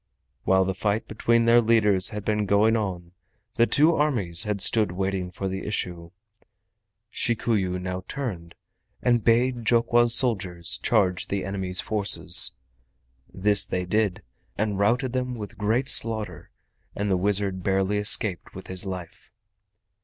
While the fight between their leaders had been going on the two armies had stood waiting for the issue. Shikuyu now turned and bade Jokwa's soldiers charge the enemy's forces. This they did, and routed them with great slaughter, and the wizard barely escaped with his life.